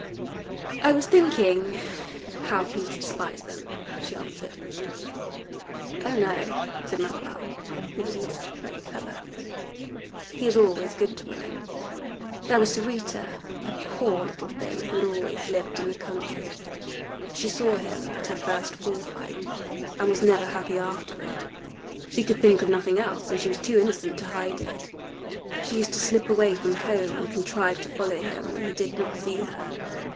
"I was thinking how he must despise them," she answered. "Oh, no," said Manuel, who was not very clever; "he is always good to women. There was Sarita a poor little thing who had always lived in the country. She saw him at her first bull fight and was never happy afterward. She could think of nothing else, and she was too innocent to hide it. She used to slip away from home and contrive to follow him when he did not see her.